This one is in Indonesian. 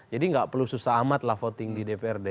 jadi gak perlu susah amat lah voting di dprd